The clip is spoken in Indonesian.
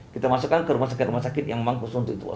kita masukkan ke rumah sakit rumah sakit yang memang khusus untuk itu